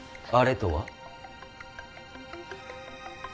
あれとは？